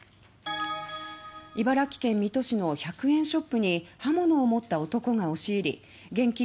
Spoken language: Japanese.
茨城県水戸市の１００円ショップに刃物を持った男が押し入り現金